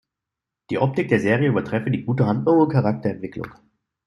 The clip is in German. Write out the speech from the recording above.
Die Optik der Serie übertreffe die gute Handlung und Charakterentwicklung.